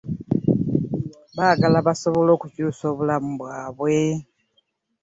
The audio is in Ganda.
Baagala basobole okukyusa obulamu bwabwe